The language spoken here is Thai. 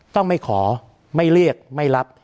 ต้องไม่ขอไม่เรียกไม่รับ